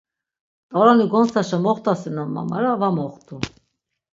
T̆aroni gontsaşa moxtasunon ma mara va moxtu.